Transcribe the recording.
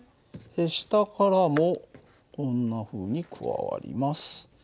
下からもこんなふうに加わります。